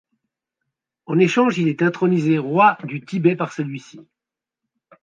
En échange, il est intronisé roi du Tibet par celui-ci.